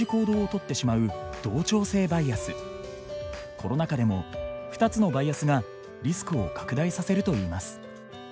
コロナ禍でも２つのバイアスがリスクを拡大させるといいます。